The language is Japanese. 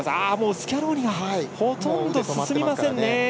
スキャローニはほとんど進みませんね。